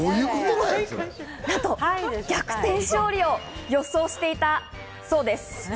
なんと逆転勝利を予想していたそうです。